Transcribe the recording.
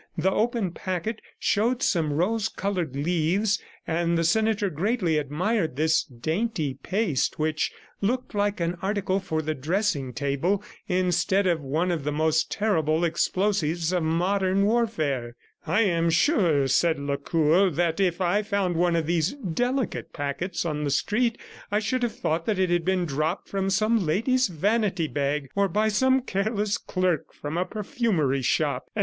The open packet showed some rose colored leaves, and the senator greatly admired this dainty paste which looked like an article for the dressing table instead of one of the most terrible explosives of modern warfare. "I am sure," said Lacour, "that if I had found one of these delicate packets on the street, I should have thought that it had been dropped from some lady's vanity bag, or by some careless clerk from a perfumery shop ...